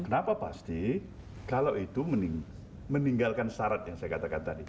kenapa pasti kalau itu meninggalkan syarat yang saya katakan tadi